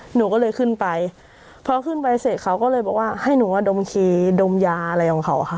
หนูก็เลยขึ้นไปพอขึ้นไปเสร็จเขาก็เลยบอกว่าให้หนูอ่ะดมคีดมยาอะไรของเขาค่ะ